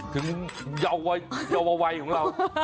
เยาววัยของเรา